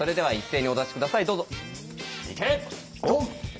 はい。